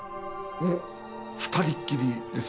２人っきりです。